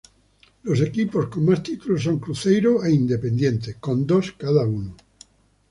Los equipos con más títulos son Cruzeiro e Independiente, con dos cada uno.